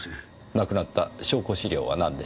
なくなった証拠資料は何でしょう？